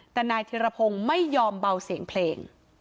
แต่นายธิรพงศ์ไม่ยอมเบาเสียงเพลง